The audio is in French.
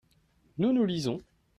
nous, nous lisons.